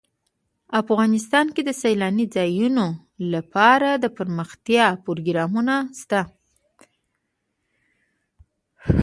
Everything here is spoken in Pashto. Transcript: افغانستان کې د سیلانی ځایونه لپاره دپرمختیا پروګرامونه شته.